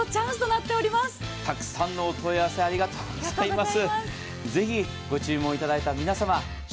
たくさんのお問い合わせありがとうございます。